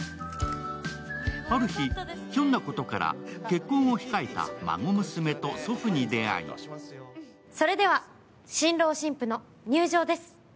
ある日、ひょんなことから結婚を控えた孫娘と祖父に出会いそれでは新郎新婦の入場です。